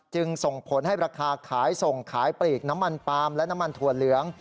จึงส่งผลให้ราคาขายส่งขายปลีกน้ำมันปาล์มและน้ำมันถั่วเหลือง